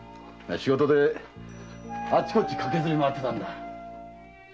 仕事であっちこっち駆けずり回ってたんだ。